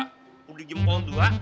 lu beli jempol dua